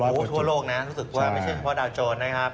โอ้โหทั่วโลกนะรู้สึกว่าไม่ใช่เฉพาะดาวโจรนะครับ